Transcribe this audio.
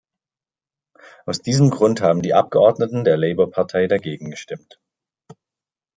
Aus diesem Grund haben die Abgeordneten der Labour-Partei dagegen gestimmt.